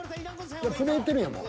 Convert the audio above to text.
［震えてるやんもう。